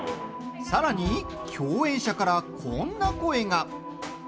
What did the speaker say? さらに共演者から、こんな声が。